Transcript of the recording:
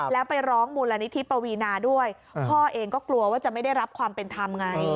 แล้วไปร้องมูลนิธิปวีนาด้วยพ่อเองก็กลัวว่าจะไม่ได้รับความเป็นธรรมไง